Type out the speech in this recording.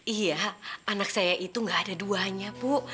iya anak saya itu gak ada duanya bu